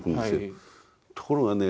ところがね